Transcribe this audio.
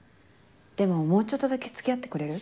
でももうちょっとだけ付き合ってくれる？